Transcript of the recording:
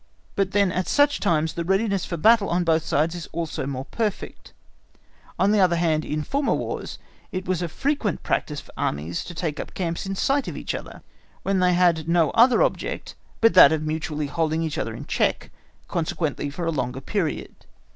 But then at such times the readiness for battle on both sides is also more perfect; on the other hand, in former Wars it was a frequent practice for armies to take up camps in sight of each other, when they had no other object but that of mutually holding each other in check, consequently for a longer period.